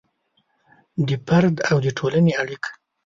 د فرد او د ټولنې اړیکه